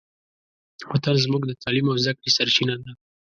وطن زموږ د تعلیم او زدهکړې سرچینه ده.